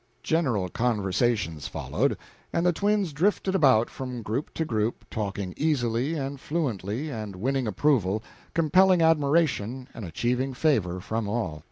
General conversation followed, and the twins drifted about from group to group, talking easily and fluently and winning approval, compelling admiration and achieving favor from all.